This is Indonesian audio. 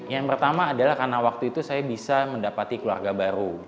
yang pertama adalah karena waktu itu saya bisa mendapati keluarga baru